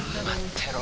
てろ